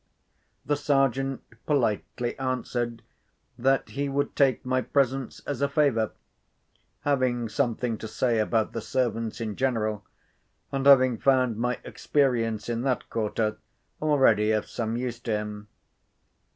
The Sergeant politely answered that he would take my presence as a favour, having something to say about the servants in general, and having found my experience in that quarter already of some use to him.